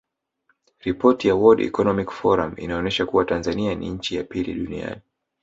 Ripoti ya Word Economic Forum inaonesha kuwa Tanzania ni nchi ya pili duniani